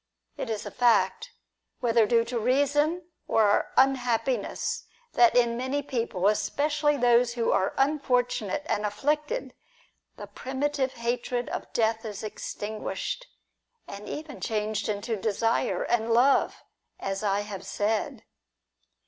It is a fact, whether due to reason or our unhappiness, that in many people, especially those who are Unfortunate and afflicted, the primitive hatred of death is extinguished, and even changed into desire and love, as I have said.